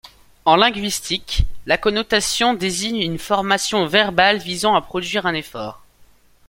En linguistique, la conation désigne une formation verbale visant à produire un effort.